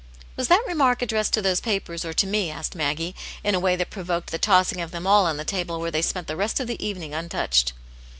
" Was that remark addressed to those papers or to me ?" asked Maggie, in a way that provoked the tossing of them all on the table, where they spent the rest of the evening untouched.